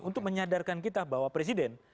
untuk menyadarkan kita bahwa presiden